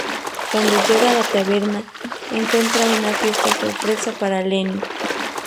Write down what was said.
Cuando llega a la taberna, encuentra una fiesta sorpresa para Lenny.